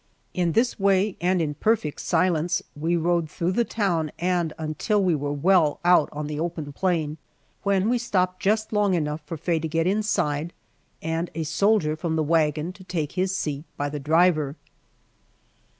In this way, and in perfect silence, we rode through the town and until we were well out on the open plain, when we stopped just long enough for Faye to get inside, and a soldier from the wagon to take his seat by the driver.